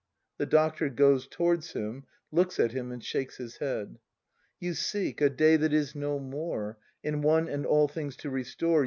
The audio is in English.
The Doctor. [Goes towards him, looks at him, and shakes his head.] You seek, a day that is no more. In one and all things to restore.